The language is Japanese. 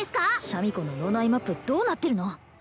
シャミ子の脳内マップどうなってるの？